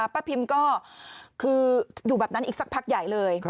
พิมก็คืออยู่แบบนั้นอีกสักพักใหญ่เลย